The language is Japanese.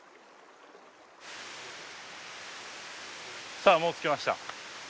さあもう着きました。